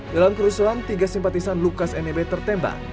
dalam kerusuhan tiga simpatisan lukas nmb tertembak